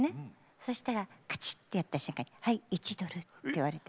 そしたらカチッてやった瞬間に「はい１ドル」って言われて。